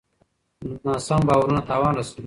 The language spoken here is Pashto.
ناسم باورونه تاوان رسوي.